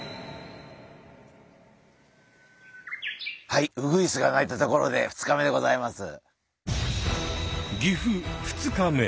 はいウグイスが鳴いたところで２日目でございます。